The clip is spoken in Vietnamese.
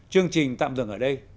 chương trình tạm dừng ở đây